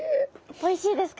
おいしいですか？